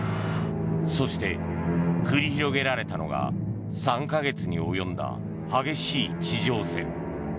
そして、繰り広げられたのが３か月に及んだ激しい地上戦。